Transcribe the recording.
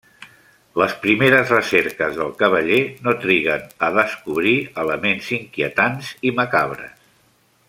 Les primeres recerques del cavaller no triguen a descobrir elements inquietants i macabres.